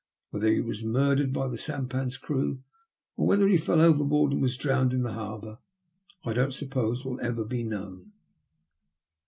Whether he was murdered by the sampan's crew or whether he fell overboard and was drowned in the harbour, I don't suppose will ever be known."